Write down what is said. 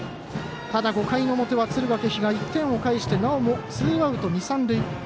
５回表は敦賀気比が１点を返してなおもツーアウト、二塁三塁。